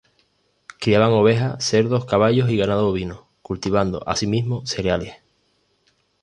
Criaban ovejas, cerdos, caballos y ganado bovino, cultivando asimismo cereales.